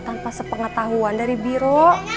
tanpa sepengetahuan dari biro